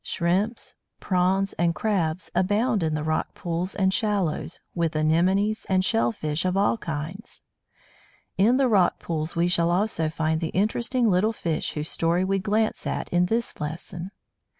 Shrimps, Prawns and Crabs abound in the rock pools and shallows, with anemones and shellfish of all kinds. In the rock pools we shall also find the interesting little fish whose story we glance at in this lesson.